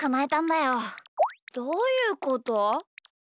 どういうこと？